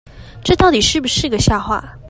這到底是不是個笑話